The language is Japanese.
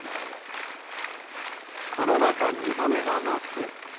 コロナ禍２度目の夏へ。